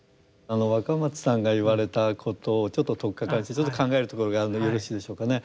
若松さんが言われたことをちょっと取っかかりとしてちょっと考えるところがあるんでよろしいでしょうかね。